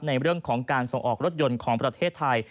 ในเรื่องของการส่งออกรถยนต์ของประเทศไทย